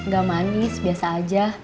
gak manis biasa aja